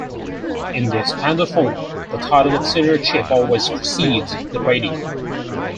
In the expanded form, the title of senior chief always precedes the rating.